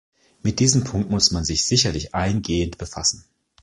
Mit diesem Punkt muss man sich sicherlich eingehend befassen.